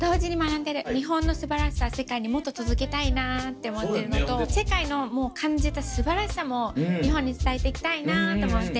日本の素晴らしさを世界にもっと届けたいなって思ってるのと世界の感じた素晴らしさも日本に伝えて行きたいなと思って。